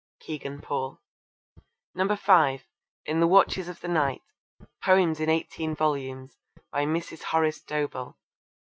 (Kegan Paul.) (5) In the Watches of the Night. Poems in eighteen volumes. By Mrs. Horace Dobell.